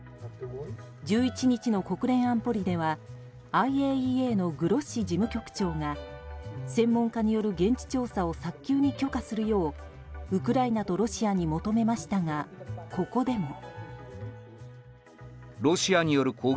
１１日の国連安保理ではＩＡＥＡのグロッシ事務局長が専門家による現地調査を早急に許可するようウクライナとロシアに求めましたが、ここでも。